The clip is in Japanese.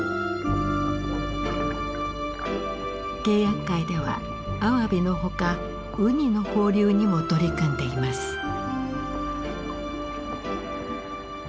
契約会ではアワビのほかウニの放流にも取り組んでいます。